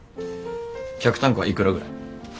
客単価はいくらぐらい？